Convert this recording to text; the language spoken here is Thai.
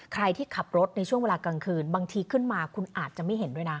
ใครที่ขับรถในช่วงเวลากลางคืนบางทีขึ้นมาคุณอาจจะไม่เห็นด้วยนะ